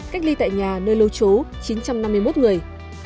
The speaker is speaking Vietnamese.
cách ly tại nhà nơi lưu trú chín trăm năm mươi một người